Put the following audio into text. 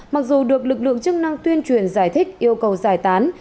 mặc dù được lực lượng chức năng tuyên truyền giải thích yêu cầu giải tán